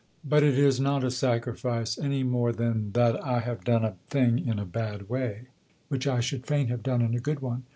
But it is not a sacrifice any more than that I have done a thing in a bad way, which I should fain have done in a good one.